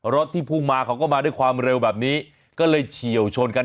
รถที่พุ่งมาเขาก็มาด้วยความเร็วแบบนี้ก็เลยเฉียวชนกัน